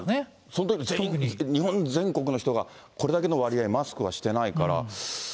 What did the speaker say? その時期、日本全国の人が、これだけの割合、マスクはしてないから。